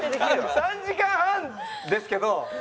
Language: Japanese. ３時間半ですけど。